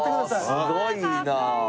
すごいなあ。